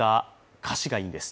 歌詞がいいんです。